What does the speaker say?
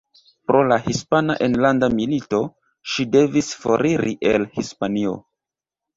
Pro la Hispana Enlanda Milito, ŝi devis foriri el Hispanio.